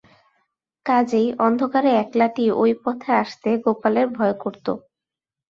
কাজেই অন্ধকারে একলাটি ঐ পথে আসতে গোপালের ভয় করত।